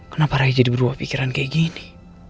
kenapa ray jadi berubah pikiran kayak gini